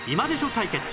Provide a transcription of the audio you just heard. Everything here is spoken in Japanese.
対決